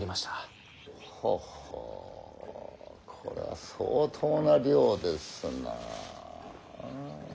ほほうこれは相当な量ですな。